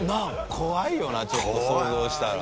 怖いよなちょっと想像したら。